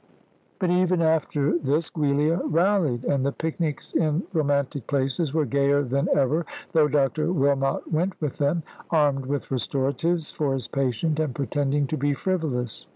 But even after this Giulia rallied, and the picnics in romantic places were gayer than ever, though Dr. Wilmot went with them, armed with restoratives for his patient, and pretending to be frivolous.